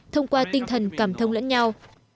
thông qua tinh thần cảm thông lẫn nhau